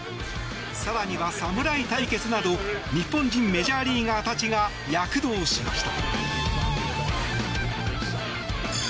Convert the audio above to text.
更には侍対決など日本人メジャーリーガーたちが躍動しました。